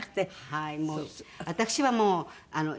はい。